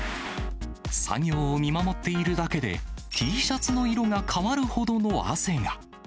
作業を見守っているだけで、Ｔシャツの色が変わるほどの汗が。